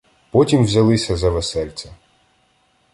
Потім взялися за весельця